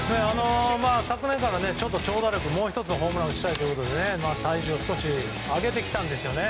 昨年から長打力もうひとつホームランを打ちたいということで体重を少し上げてきたんですね。